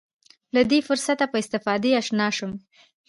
له دې فرصته په استفادې اشنا شم.